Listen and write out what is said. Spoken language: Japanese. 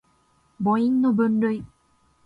母音の分類